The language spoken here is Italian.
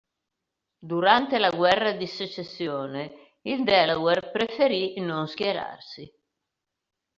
Durante la Guerra di Secessione il Delaware preferì non schierarsi.